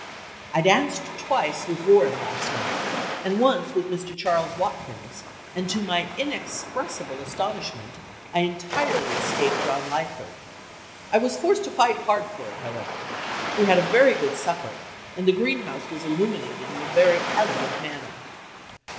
"I danced twice with Warren last night, and once with Mr. Charles Watkins, and to my inexpressible astonishment I entirely escaped John Lyford. I was forced to fight hard for it, however. We had a very good supper, and the greenhouse was illuminated in a very elegant manner."